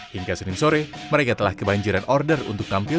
hingga senin sore mereka telah kebanjiran order untuk tampil